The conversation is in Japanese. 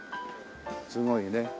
すごいね。